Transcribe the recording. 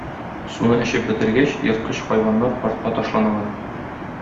Суны эчеп бетергәч, ерткыч хайваннар картка ташланалар.